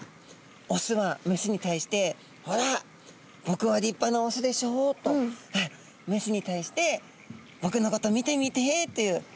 オスはメスに対して「ほら僕は立派なオスでしょう」とメスに対して「僕のこと見てみて」という。